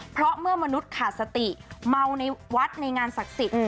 เพราะเมื่อมนุษย์ขาดสติเมาในวัดในงานศักดิ์สิทธิ์